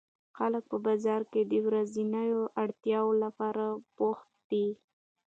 خلک په بازار کې د ورځنیو اړتیاوو لپاره بوخت دي